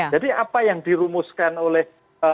jadi apa yang dirumuskan oleh